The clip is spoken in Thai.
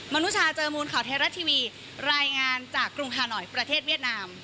นุชาเจอมูลข่าวไทยรัฐทีวีรายงานจากกรุงฮาหน่อยประเทศเวียดนาม